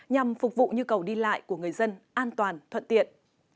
nhằm phục vụ nhu cầu đi lại của người dân an toàn thuận tiện